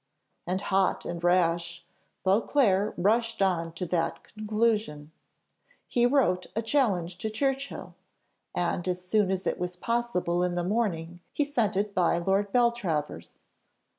And hot and rash, Beauclerc rushed on to that conclusion. He wrote, a challenge to Churchill, and as soon as it was possible in the morning he sent it by Lord Beltravers.